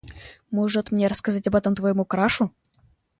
Может мне рассказать об этом твоему крашу?